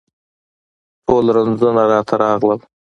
ټول رنځونه راته راغلل